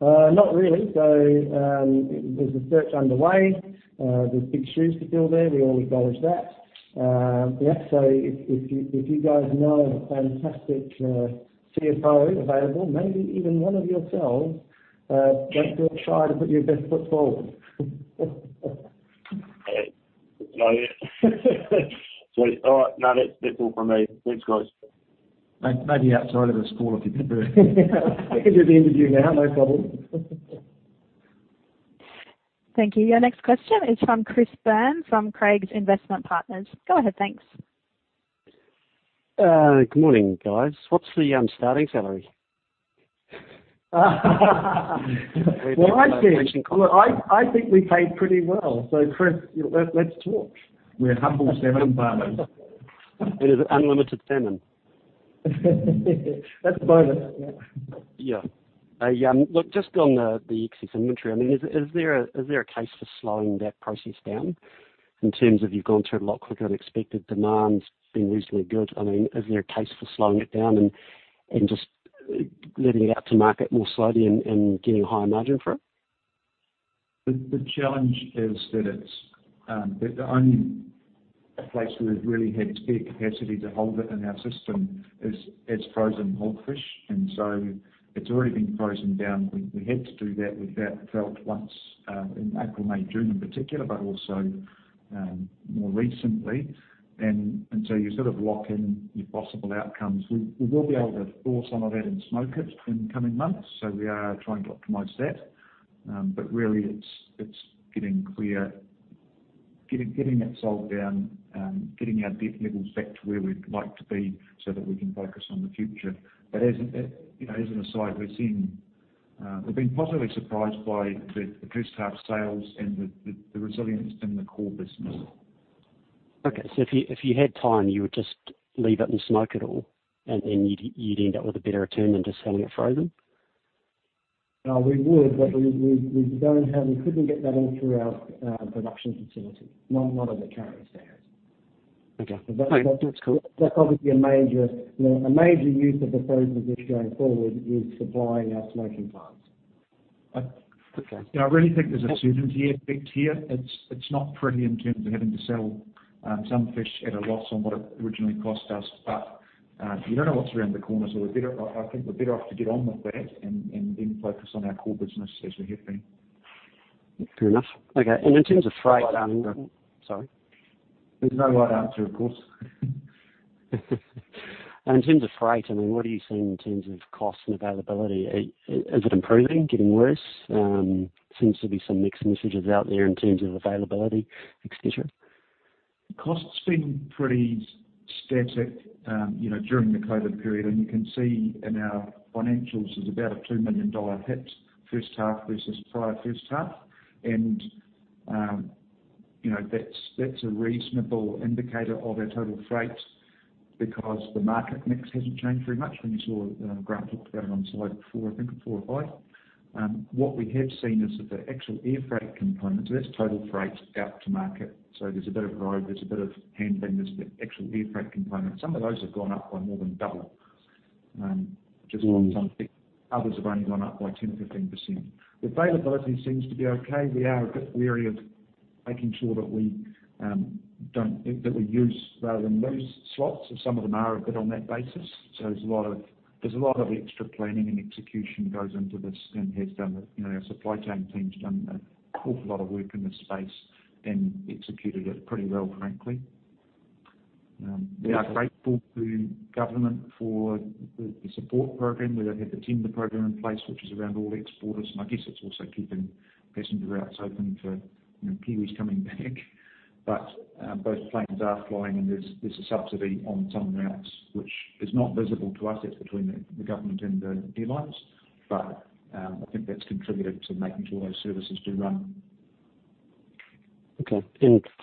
Not really. There's a search underway. There's big shoes to fill there, we all acknowledge that. Yeah, if you guys know a fantastic CFO available, maybe even one of yourselves, don't be afraid to put your best foot forward. Okay. Got it. Sweet. All right. No, that's all from me. Thanks, guys. Maybe outside of a school of fish. I can do the interview now, no problem. Thank you. Your next question is from Chris Byrne from Craigs Investment Partners. Go ahead. Thanks. Good morning, guys. What's the starting salary? We have no intention- Well, I think we pay pretty well. Chris, let's talk. We're humble salmon farmers. Is it unlimited salmon? That's a bonus. Yeah. Just on the excess inventory, is there a case for slowing that process down in terms of you've gone through a lot quicker, unexpected demand's been reasonably good. Is there a case for slowing it down and just letting it out to market more slowly and getting a higher margin for it? The challenge is that the only place where we've really had spare capacity to hold it in our system is as frozen whole fish. It's already been frozen down. We had to do that. We felt it once in April, May, June in particular, but also more recently. You sort of lock in your possible outcomes. We will be able to thaw some of that and smoke it in the coming months. We are trying to optimize that. Really, it's getting clear, getting that sold down, getting our debt levels back to where we'd like to be so that we can focus on the future. As an aside, we've been positively surprised by the first half sales and the resilience in the core business. Okay. If you had time, you would just leave it and smoke it all, and you'd end up with a better return than just selling it frozen? We would, but we couldn't get that all through our production facility, not as it currently stands. Okay. No, that's cool. That's obviously a major use of the frozen fish going forward is supplying our smoking plants. Okay. I really think there's a certainty effect here. It's not pretty in terms of having to sell some fish at a loss on what it originally cost us. You don't know what's around the corner, so I think we're better off to get on with that and then focus on our core business as we have been. Fair enough. Okay. In terms of freight- There's no right answer. Sorry? There's no right answer, of course. In terms of freight, what are you seeing in terms of cost and availability? Is it improving? Getting worse? Seems to be some mixed messages out there in terms of availability, et cetera. Cost's been pretty static during the COVID period. You can see in our financials, there's about a 2 million dollar hit first half versus prior first half. That's a reasonable indicator of our total freight because the market mix hasn't changed very much. You saw Grant talk about it on slide four, I think, or four or five. What we have seen is that the actual air freight component, so that's total freight out to market. There's a bit of road, there's a bit of handling, there's a bit of actual air freight component. Some of those have gone up by more than double, which is on some others have only gone up by 10% or 15%. The availability seems to be okay. We are a bit wary of making sure that we use rather than lose slots, if some of them are a bit on that basis. There's a lot of extra planning and execution goes into this and has done. Our supply chain team's done an awful lot of work in this space and executed it pretty well, frankly. We are grateful to Government for the support program, where they have the tender program in place, which is around all exporters, and I guess it's also keeping passenger routes open for Kiwis coming back. Both planes are flying, and there's a subsidy on some routes, which is not visible to us. That's between the Government and the airlines. I think that's contributed to making sure those services do run. Okay.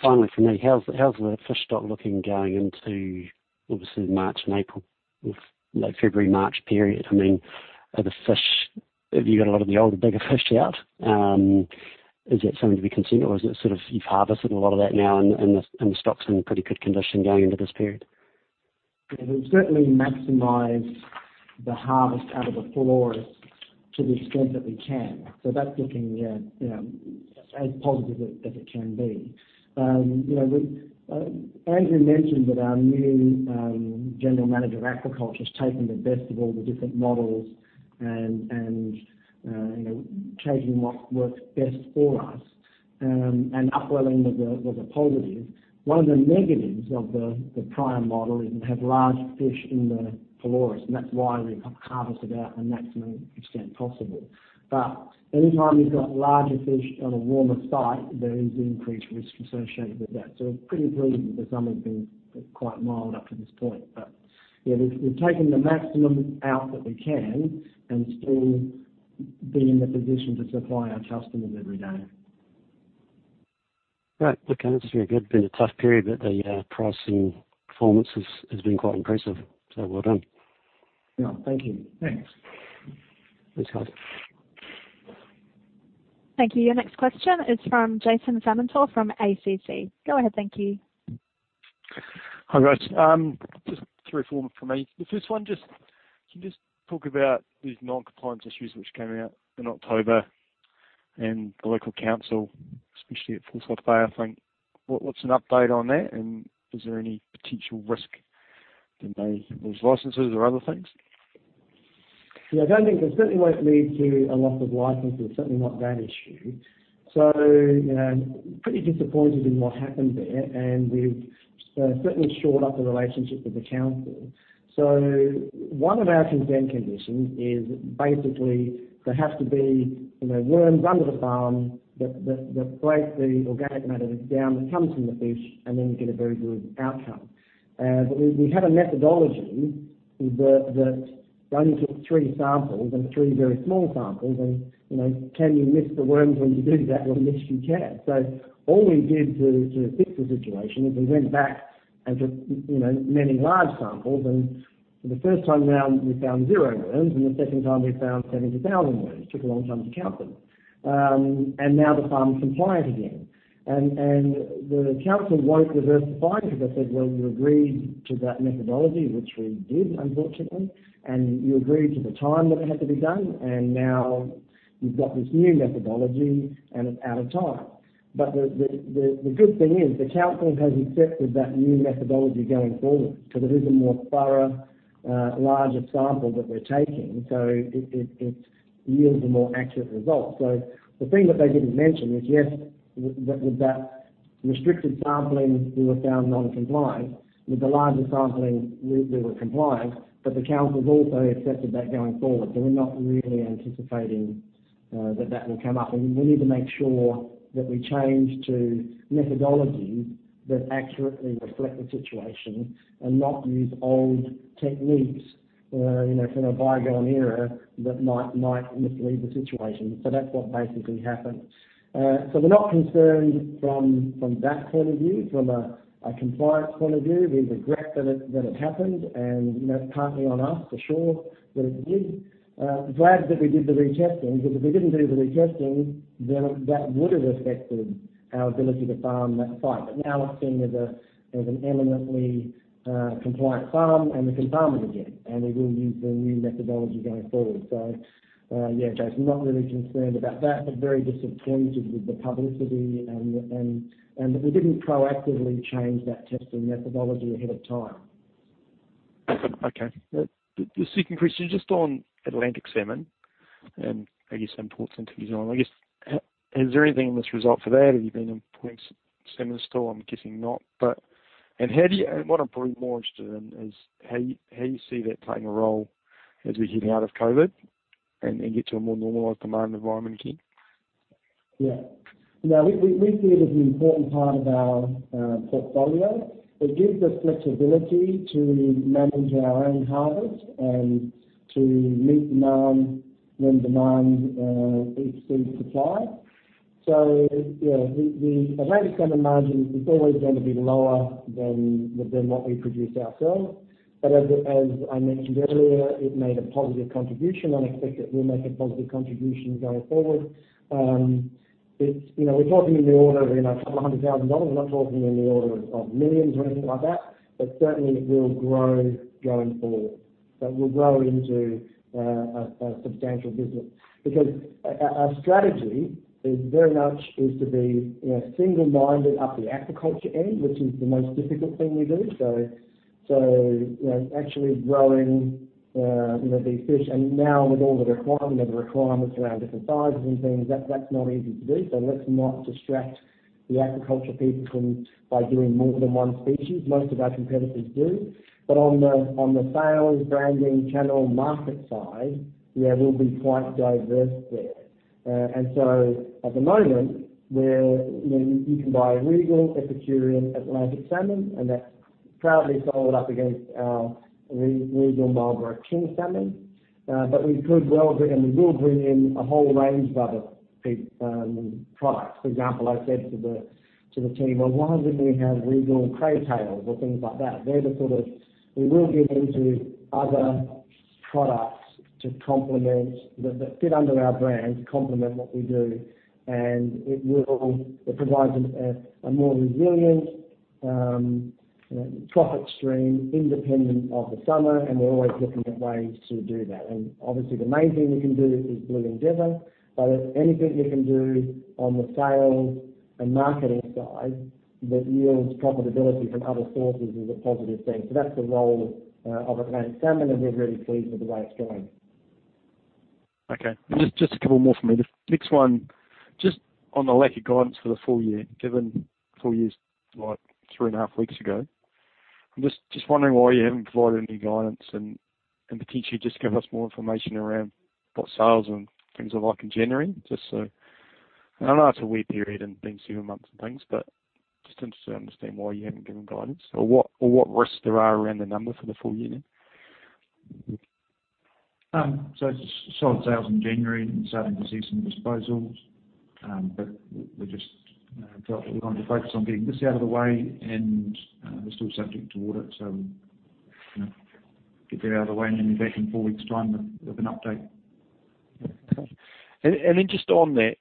Finally from me, how's the fish stock looking going into, obviously, March and April? February, March period. Have you got a lot of the older, bigger fish out? Is that something to be concerned or is it sort of you've harvested a lot of that now and the stock's in pretty good condition going into this period? Yeah, we've certainly maximized the harvest out of the Forsyth to the extent that we can. That's looking as positive as it can be. Andrew mentioned that our new General Manager of Aquaculture has taken the best of all the different models and taking what works best for us. Upwelling was a positive. One of the negatives of the prior model is we have large fish in the Forsyth, and that's why we harvest about a maximum extent possible. Anytime you've got larger fish on a warmer site, there is an increased risk associated with that. We're pretty pleased that the summer's been quite mild up to this point. Yeah, we've taken the maximum out that we can and still be in the position to supply our customers every day. Great. Okay. That's very good. It's been a tough period, but the price and performance has been quite impressive, so well done. Yeah. Thank you. Thanks. Thanks, guys. Thank you. Your next question is from Jason Familton from ACC. Go ahead. Thank you. Hi, guys. Just three for me. The first one, can you just talk about these non-compliance issues which came out in October and the local council, especially at Forsyth, I think. What's an update on that, and is there any potential risk to those licenses or other things? Yeah, it certainly won't lead to a loss of license, it's certainly not that issue. Pretty disappointed in what happened there, and we've certainly shored up the relationship with the council. One of our consent conditions is basically there has to be worms under the farm that break the organic matter that comes from the fish, and then you get a very good outcome. We have a methodology that only took three samples and three very small samples, and can you miss the worms when you do that? Well, yes, you can. All we did to fix the situation is we went back and took many large samples, and for the first time around, we found zero worms, and the second time, we found 70,000 worms. Took a long time to count them. Now the farm's compliant again. The council won't reverse the fine because they said, "Well, you agreed to that methodology," which we did, unfortunately, "And you agreed to the time that it had to be done, and now you've got this new methodology, and it's out of time." The good thing is the council has accepted that new methodology going forward, because it is a more thorough, larger sample that we're taking. It yields a more accurate result. The thing that they didn't mention is, yes, with that restricted sampling, we were found non-compliant. With the larger sampling, we were compliant, but the council also accepted that going forward. We're not really anticipating that will come up. We need to make sure that we change to a methodology that accurately reflect the situation and not use old techniques, from a bygone era that might mislead the situation. That's what basically happened. We're not concerned from that point of view, from a compliance point of view. We regret that it happened and partly on us for sure that it did. Glad that we did the retesting, because if we didn't do the retesting, then that would have affected our ability to farm that site. Now it's seen as an eminently compliant farm, and we can farm it again. We will use the new methodology going forward. Yeah, Jason, not really concerned about that, but very disappointed with the publicity and that we didn't proactively change that testing methodology ahead of time. Okay. The second question is just on Atlantic Salmon and I guess imports into New Zealand. I guess, is there anything in this result for that? Have you been importing salmon still? I'm guessing not. What I'm probably more interested in is how you see that playing a role as we're getting out of COVID and get to a more normalized demand environment again. Yeah. Now, we see it as an important part of our portfolio. It gives us flexibility to manage our own harvest and to meet demand when demand exceeds supply. Yeah, the Atlantic salmon margin is always going to be lower than what we produce ourselves. As I mentioned earlier, it made a positive contribution, and I expect it will make a positive contribution going forward. We're talking in the order of 200,000 dollars. We're not talking in the order of millions or anything like that. Certainly, it will grow going forward. We'll grow into a substantial business. Our strategy is very much is to be single-minded up the aquaculture end, which is the most difficult thing we do. Actually growing these fish and now with all the requirements around different sizes and things, that's not easy to do. Let's not distract the aquaculture people by doing more than one species. Most of our competitors do. On the sales, branding, channel, market side, we'll be quite diverse there. At the moment, you can buy Regal Epicurean Atlantic Salmon, and that's proudly sold up against our Regal Marlborough King Salmon. We could well bring, and we will bring in a whole range of other products. For example, I said to the team, "Well, why didn't we have Regal Craytails or things like that?" We will get into other products that fit under our brand, complement what we do, and it provides a more resilient profit stream independent of the summer, and we're always looking at ways to do that. Obviously the main thing we can do is Blue Endeavour, but anything we can do on the sales and marketing side that yields profitability from other sources is a positive thing. That's the role of Atlantic Salmon, and we're really pleased with the way it's going. Okay, just a couple more from me. The next one, just on the lack of guidance for the full year, given full year's like three and a half weeks ago. I'm just wondering why you haven't provided any guidance and potentially just give us more information around what sales and things are like in January. I know that's a weird period and been several months and things, just interested to understand why you haven't given guidance or what risks there are around the number for the full year. Solid sales in January and starting to see some disposals. We just felt that we wanted to focus on getting this out of the way and we're still subject to audit, so get that out of the way and then be back in four weeks time with an update. Just on that,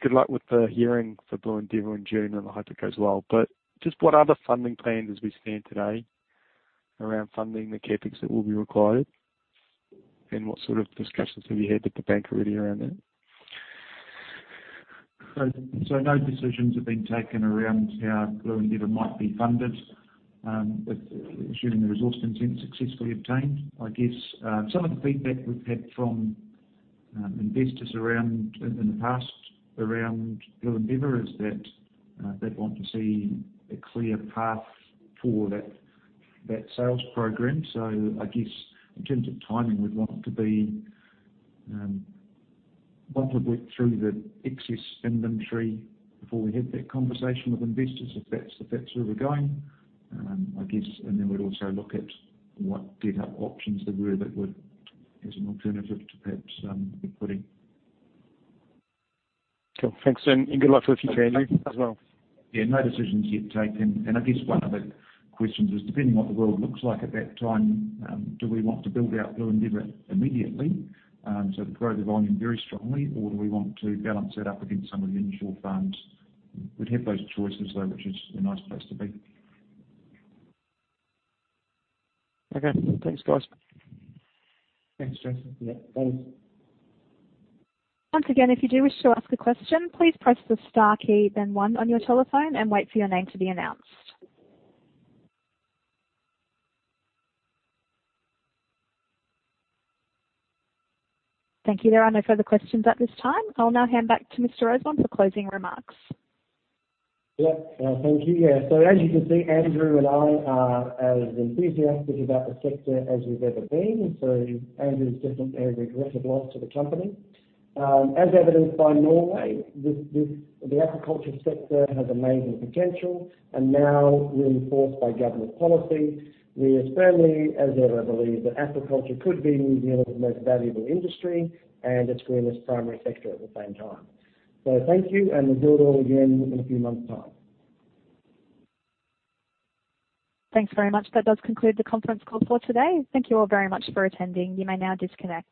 good luck with the hearing for Blue Endeavour in June, and I hope it goes well. Just what are the funding plans as we stand today around funding the CapEx that will be required? What sort of discussions have you had with the bank already around that? No decisions have been taken around how Blue Endeavour might be funded, assuming the resource consent is successfully obtained. I guess some of the feedback we've had from investors in the past around Blue Endeavour is that they'd want to see a clear path for that sales program. I guess in terms of timing, we'd want to have worked through the excess inventory before we have that conversation with investors, if that's where we're going. I guess, then we'd also look at what debt options there were that would, as an alternative to perhaps equity. Cool. Thanks, and good luck with your journey as well. Yeah, no decisions yet taken. I guess one of the questions is, depending on what the world looks like at that time, do we want to build out Blue Endeavour immediately, so to grow the volume very strongly, or do we want to balance that up against some of the inshore farms? We'd have those choices, though, which is a nice place to be. Okay. Thanks, guys. Thanks, Jason. Yeah. Bye. Once again, if you do wish to ask a question, please press the star key, then one on your telephone and wait for your name to be announced. Thank you. There are no further questions at this time. I'll now hand back to Mr. Rosewarne for closing remarks. Yeah. Thank you. Yeah. As you can see, Andrew and I are as enthusiastic about the sector as we've ever been. Andrew's definitely a regretted loss to the company. As evidenced by Norway, the aquaculture sector has amazing potential, and now reinforced by government policy. We as firmly as ever believe that aquaculture could be New Zealand's most valuable industry and its greenest primary sector at the same time. Thank you, and we'll do it all again in a few months' time. Thanks very much. That does conclude the conference call for today. Thank you all very much for attending. You may now disconnect.